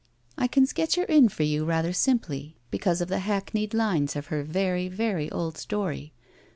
I can sketch her in for you rather simply because of the hackneyed lines of her very, very old story.